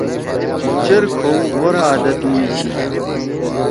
چیر کھؤ غورا عادت نہ چھی۔